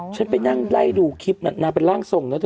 ฉันไปนั่งไล่ดูคลิปน่ะนางเป็นร่างทรงนะเธอ